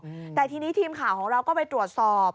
อืมแต่ทีนี้ทีมข่าวของเราก็ไปตรวจสอบ